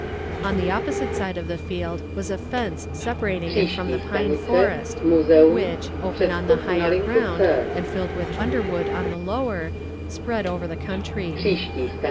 On the opposite side of the field was a fence separating it from the pine forest, which, open on the higher ground and filled with underwood on the lower, spread over the country.